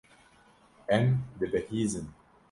Em dibihîzin.